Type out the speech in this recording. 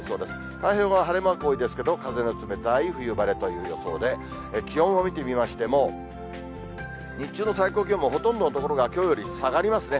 太平洋側、晴れマーク多いですけど、風の冷たい冬晴れという予想で、気温を見てみましても、日中の最高気温もほとんどの所がきょうより下がりますね。